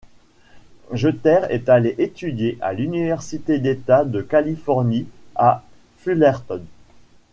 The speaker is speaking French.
Jeter est allé étudier à l'université d'État de Californie à Fullerton.